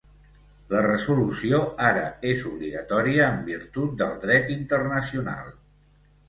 La resolució ara és obligatòria en virtut del dret internacional.